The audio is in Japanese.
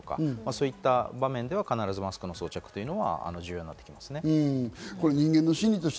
そういった場面ではマスクの装着が必要になってきますね。